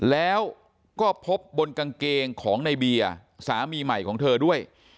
แล้วก็พบบนกางเกงของในเบียร์สามีใหม่ของเธอด้วย